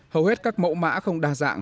hầu hết các mẫu mã không đa dạng